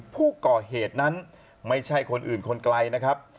ผู้ก่อเหตุนั้นไม่ใช่คนอื่นคนไกลนะครับ